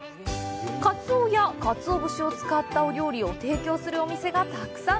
かつおやかつお節を使ったお料理を提供するお店がたくさん。